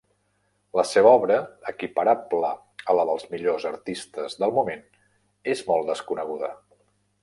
La seva obra, equiparable a la dels millors artistes del moment, és molt desconeguda.